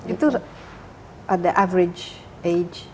itu pada umur umur